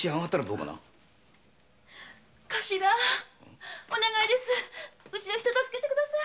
うちの人を助けてください！